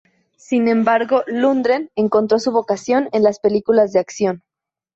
Sin embargo, Lundgren encontró su vocación en las películas de acción.